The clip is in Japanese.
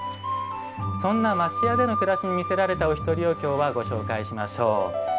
そんな町家での暮らしに魅せられたお一人を今日はご紹介しましょう。